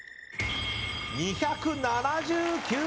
２７９点。